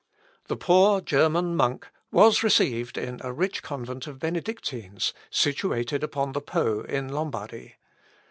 The poor German monk was received in a rich convent of Benedictines, situated upon the Pô in Lombardy.